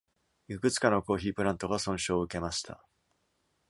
いくつかのコーヒープラントが損傷を受けました。